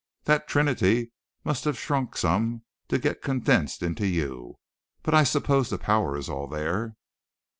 "That trinity must have shrunk some to get condensed into you, but I suppose the power is all there."